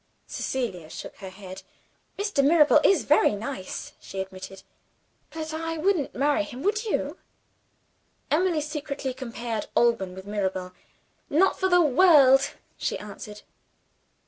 Cecilia shook her head. "Mr. Mirabel is very nice," she admitted; "but I wouldn't marry him. Would you?" Emily secretly compared Alban with Mirabel. "Not for the world!" she answered.